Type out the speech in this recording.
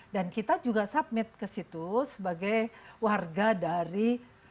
dan kita juga submit ke situ sebagai warga dari